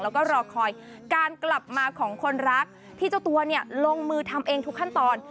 แล้วก็รอคอยการกลับมาของคนรักที่เจ้าตัวเนี่ยลงมือทำเองทุกขั้นตอน